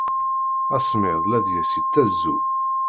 Asemmiḍ la deg-s yettazu.